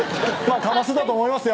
かませたと思いますよ。